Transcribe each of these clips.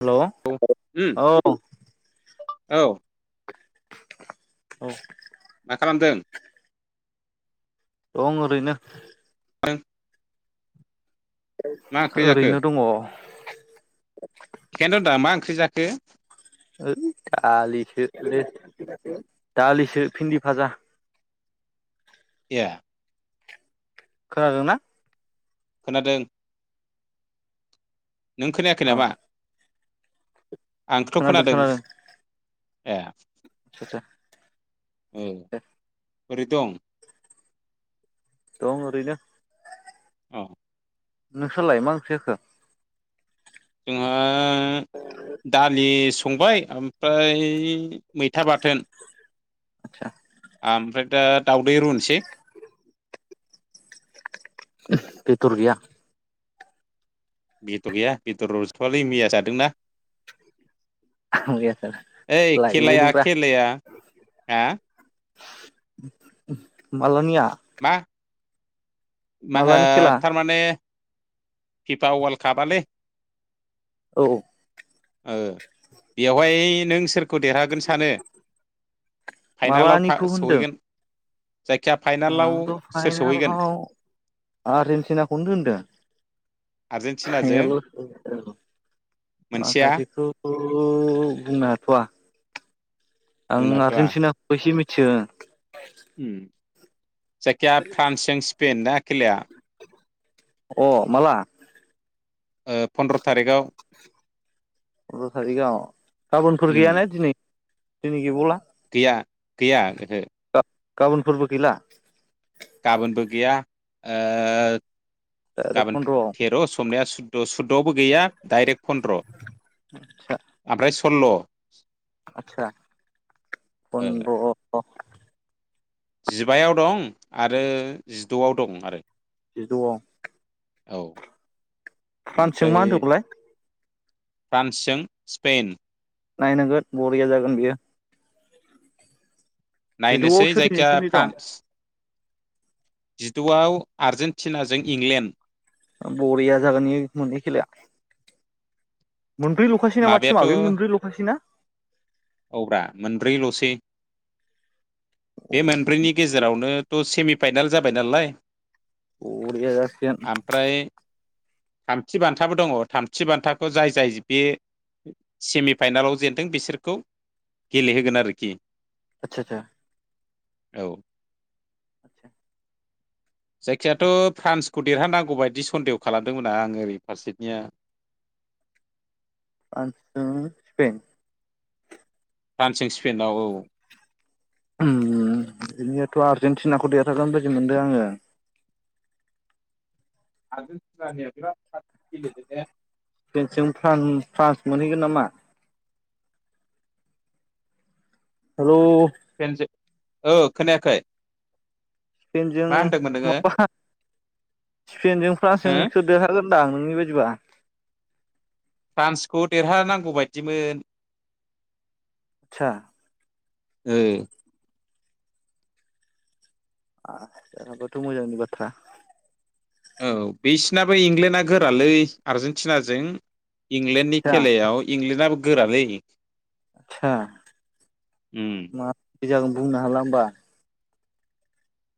Hello औ उम औ। औ। औ। मा खालामदों? दं ओरैनो। [unintelligible] मा ओंख्रि जाखो ओरैनो दङ। खेनथ' दा मा ओंख्रि जाखो? ओ दालिसो ओ दालिसो भिन्दि भाजा। ए खोनादोंना? खोनादों। नों खोनायाखै अ नामा? आंथ' खोनादों ए। आदसा औ दे बोरै दं? दं ओरैनो औ। नोंस्रालाय मा ओंख्रि जाखो? जोंहा दालि संबाय ओमफ्राय मैथा बाथोन आदसा ओमफ्राय दा दाावदै रुनोसै बेदर गैया बेदर गैया बेदर रसवालै मैया जादोंना। ओइ खेलाया लायबावदोब्रा खेलाया हा? मालानिया? मा माहो मालानि खेला थारमाने पि पा ववाल खाबालै औ बेवहाय नों सोर खौ देरहागोन सानो फाइनालाव फा मालानिखौ होनदों सौहैगोन जायखिजाया फाइनालाव आंथ' सोर सौहैगोन? आंहा रेनटिनाखौनो दोन्दों। आर्जेेनटिनाजों मोनसेया [unintelligible] खौ बुंनो हाथवा आं बुंनाथ'आ आर्जेनटिना। बैसो मिथिगोन। जायखिया फ्रान्सजों स्पेन खेलाया। अ माला ओ-फनन्द्र थारिखाव। फन्द्र थारिखआव गाबोनफोर गैय उम ने दिनै दिनै गैबावला। गैया गैया ओहो। गाबोनफोरबो गैला। गाबोनबो गैया डाइरेक्ट ओ-गाबोन फन्द्रआव थेर समनिया सुद द सुदआवबो गैया दडाइरेक्ट फनन्द्र ओमफ्राय सल्ल। आतसा फन्द्र जिबायाव दं आरो जिदआव दं आरो। जिदआव औ फ्रान्सजों मा ओमफ्राय होनदोंमोनलाय। फ्रान्सजों स्पेन। नायनांगोन बरिया जागोन बियो। जिद'आव नायनोसै सोरनि जायखिया सोरनि दं फ्रान्स जिदआव आर्जेेनटिनाजों इंलेण्ड। बरिया जागोन एयो मोननै खेलाया मोनब्रै लख [unintelligible] माबायाथ' टिमा बे मोनब्रै लखासैना? औब्रा मोनब्रैलसै बे मोनब्रैनि गेजेरावनो। थ सेमिफाइनेल जाबाय नालाय। बरिया जासिगोन ओमफ्राय थामथि बान्थाबो दङ थामथि बान्थाखौ जाय जाय बे सेमि फाइनेलाव जेनदों बिसोरखौ। गेलेहोगोन आरोखि। आतसा आसा औ आतसा जायखियाथ फ्रान्सखौ देरहानांगौ बायदि सन्देह खालामदोंमोना आं ओरै फारसेनिया। फ्रान्स दो स्पेेन फ्रान्स जों स्पेन्दआव औ औ। उम बिनिखायथ आर्जेेनटिनाखौ देरहागोन बायदि मोनदों आङो। आजेन्टिनानिया बिराद फास गेलेदोदे। स्पेन जों फ्रान्स फ्रान्स मोनहैगोन नामा। हेलौ पेनज ओ खोनायाखै? स्पेनजों मा होनदोंमोन नोङो माबा स्पेनजों हो फ्रान्सजों। देरहागोनदां नोंनि बायदिबा। फ्रान्सखौ देरहानांगौ बायदिमोन। सा ओ आ देरहाबाथ मोजांनि बाथ्रा। औ बिसिनाबो इंलेण्डआ गोरालै आरजेेनटिनाजों इंलेण्डनि आदसा खेलायाव। इंलेण्डआबो गोरालै। आदसा उम माबादि जागोन बुंनो हाला हबा।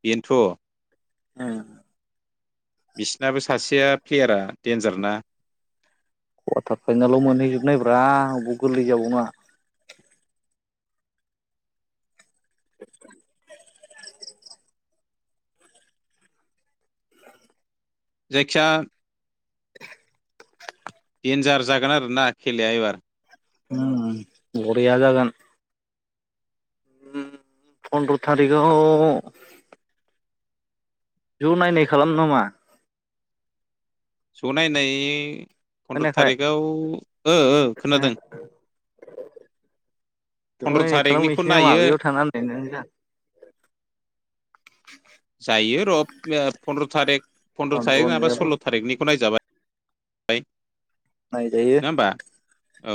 बेनोथ। औ बिसिनाबो सासेया प्लेयारा डेन्जारना। कवारटार फाइनेलाव मोनहैजोबनायब्रा अबाव गोरलै जाबावनो। जायखिया डेन्जार जागोन आरो ना खेलाया एबार। बरिया जागोन। फनद्र थारिगाव ज' नायनाय खालामनो नामा? ज' नायनाय फन्द्र' खोनायाखै थारिगाव ओ ओ खोनादों। ज' फन्द्र' नायनाय थारिखनिखौ खालामनोसै नामा नायो बैयाव थांना [unintelligible] जायो र' फन्द्र' थारिख फन्द्र' थारिख नङाबा फन्द्र'नियाबो सल्ल' थारिखनिखौ नायजाबाय। बाय। नायजायो। नङा होमबा औ।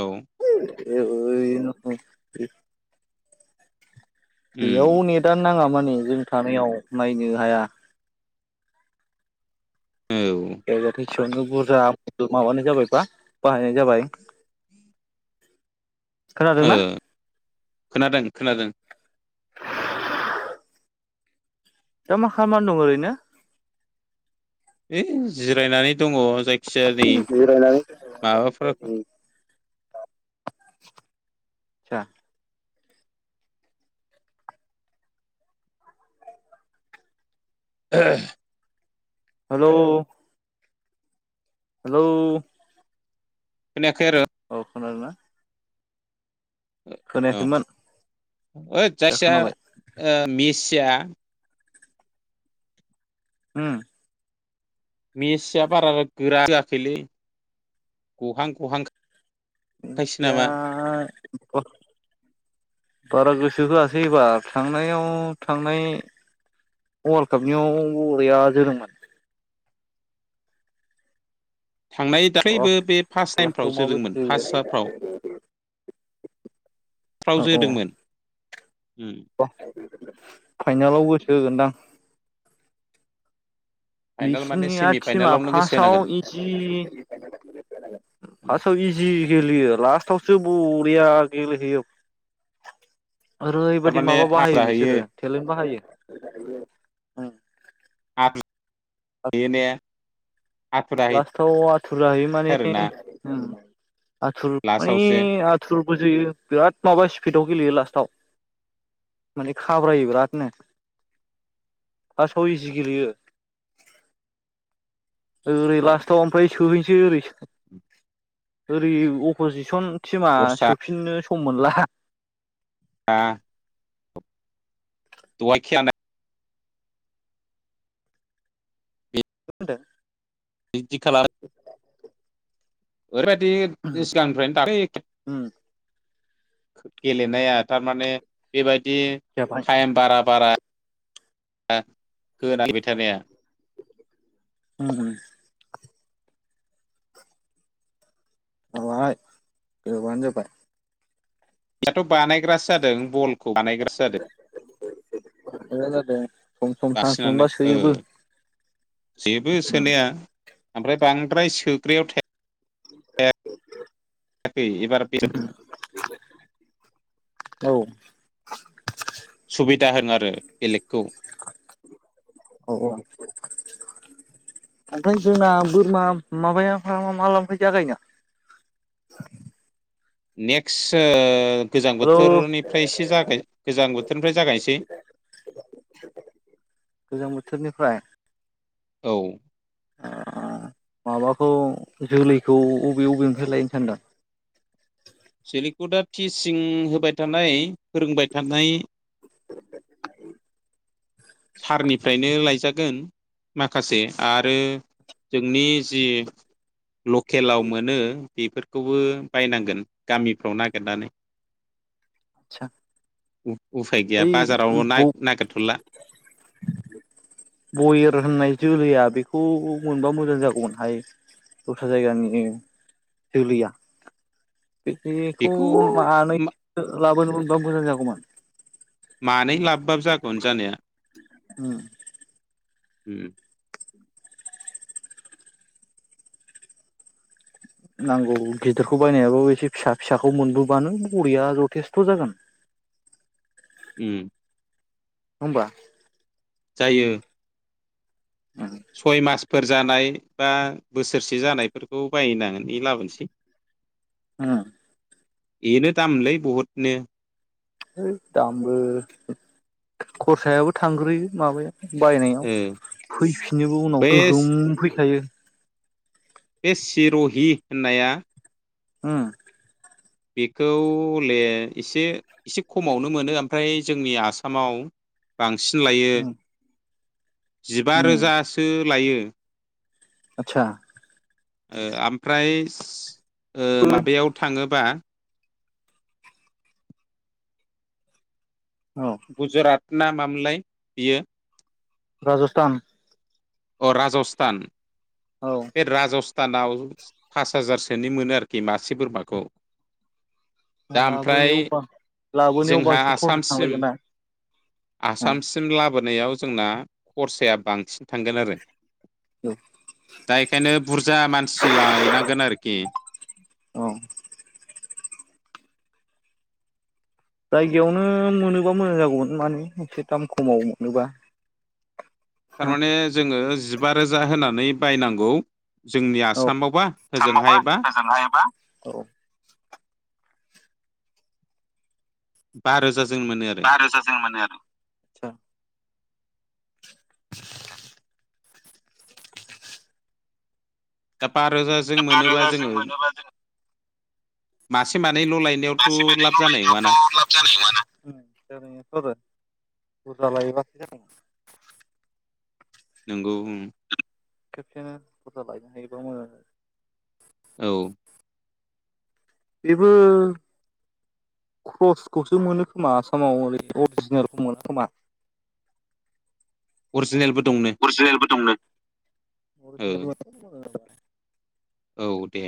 [unintelligible] बेयाव उम नेटानो नाङा माने जों थानायाव नायनो हाया। औ। [unintelligible] एसेयावनो बुरजा माबानाय जाबाय बा बाहायनाय जाबाय। ओ‌ खोनादोंना खोनादों खोनादों। दा मा खालामनानै दं ओरैनो। ओइ जिरायनानै दङ। जायखिजाया नै जिरायनानै माबाफोर [unintelligible] [inaudible] हेलौ? हेलौ? खोनायाखै आरो? औ खोनादोंना? औ खोनायाखैमोन ओइट दा खोनाबाय जायसिया मेसिया हम। मेचिया बारा गोरा जोयाखैलै गहां गहां [unintelligible] बारा गोसो होआसै एबार। थांनायाव थांनाय वर्ल्ड कापनियाव बरिया जोदोंमोन। थांनाय अ दाख्लैबो बे फार्स्ट टाइमफ्राव लास्टाव जोदोंमोन माबायदि जायो फार्स्टफ्राव। फ्राव औ जोदोंमोन। फाइनालाव गोसो होगोनदां। फाइनाल माने बिसिनिया सेमि टिमा फाइनालावनो गोसो होनांगोन फार्स्टआव इजि फार्स्टआव इजि गेलेयो लास्टावसो बरिया गेलेहैयो। ओरैबायदि थारमाने माबा बाहायो आद्रा हैयो बिसोरो टेलेन्ट बाहायो। बेयो ने। आथुरा लास्टाव आथुर जाहैयो माने हैथारोना ओम आथुर माने लास्टावसो आ थुरबो जोयो, बिराद माबा स्पिडआव गेलेयो लास्टाव। माने खाब्रायो बिरादनो फासआव इजि गेलेयो। ओरै लास्टाव ओमफ्राय सोहैसै ओरै ओरै अप'जिसन टिमा दस्रा सोफिननो सम मोनला। [inaudible] दहाय खेला ना मा होनदों? बिदि खालार ओरैबादि सिगांनिफ्रायनो [inaudible] गेलेनाया तारमाने बेबादि जाबाय थाइम बारा बारा [unintelligible] [inaudible] उम उम। [unintelligible] [unintelligible] बानायग्रासो जादों बलखौ बानायग्रासो जादो। [unintelligible] सम सम सान्स सोयोबो। सोयोबो सोनाया ओमफ्राय बांद्राय सोग्रायाव था [inaudible] [unintelligible] [inaudible] औ। सुबिदा होन आरो बेलेगखौ। [inaudible] औ औ। ओमफ्राय जोंना बोरमा माबाया फारामा मालानिफ्राय जागायनो? नेक्स्ट ओ गोजां हेलौ बोथोरनिफ्रायसो जागाय गोजां बोथोरनिफ्राय जागायनोसै। [inaudible] गोजां बोथोरनिफ्राय? औ। ओ माबाखौ जोलैखौ अबे अबे निफ्राय लायनो सानदों? सेलिकुडआ टिसिं होबाय थानाय फोरोंबाय थानाय सारनिफ्रायनो लायजागोन। माखासे आरो जोंनि जि लकेलाव मोनो बिफोरखौबो बायनांगोन गामिफ्राव नागेरनानै। सा उ-उफाय गैया बाजाराव नाय नागेरथ'ला। बयेर होननाय जोलैया बेखौ मोनबा मोजां जागौमोनहाय। दस्रा जायगानि जोलैया बे-बेखौ बेखौ मानैसो लाबोनो मोनबा मोजां जागौमोन। मानै लाबबाबो जागौमोन जानाया। उम। उम। नांगौ गिदोरखौ बायनायाबो एसे फिसा फिसाखौ मोनबोबानो बरिया जथेस्थ' जागोन। उम। होमबा? जायो। उम सय मासफोर जानाय बा बोसोरसे जानायफोरखौ बायनानै लाबोनोसै। [inaudible] उम। बेनो दामलै बहुदनो। है दामबो खरसायाबो थांग्रोयो माबाया। बायनायाव ओ फैफिनोबो उनाव बे गोगोम फैखायो। बे सिर'हि होननाया उम। बेखौले इसे इसे खमावनो मोनो ओमफ्राय जोंनि आसामाव बांसिन लायो उम जिबा उम रोजासो लायो। आतसा। [inaudible] ओ आमफ्रायस ओ माबायाव थाङोबा औ। गुजरात ना मामोनलाय बियो? राजस्थान। अ राजस्थान। औ। बे राजस्थानाव पास हाजारसोनि मोनो आरोखि मासे बोरमाखौ। दा ओमफ्राय लाबोनायाव बा लाबोनायाव जोंहा बांसिन खरसा आसामसिम थांलायगोन ना। जों लाबोनायाव जोंना खरसाया बांसिन थांगोन आरो। औ। दा इखायनो बुरजा मानसि लाहैनांगोन आरोखि। औ। जायगायावनो मोनोबा मोजां जागौमोन माने एसे दाम खमाव मोनोबा। थारमाने जोङो जिबा रोजा होनानै बायनांगौ। जोंनि आसामावबा होजोंहायबा। हायाबा। बारोजा जों मोनो आरो। रोजा जों मोनो आरो आतसा [inaudible] दा बा रोजाजों दा बा मोनोबा रोजाजों जोङो मोनोबा जों मासे मानैल' लायो। मासे मानैल' लायनायावथ' लाब जानाय नङाना जागोन थ' आरो बुरजा लायोबासो जों नोंगौ उम खेबसेनो बुरजा लायनो हायोबा मोजां आरो औ बेबो क्रसखौसो मोनो खोमा आसामाव ओरै अरिजिनेलखौ मोना खोमा अरजिनेलबो दंनो अरजिनेलबो दंनो औ अरिजिनेलबो औ दे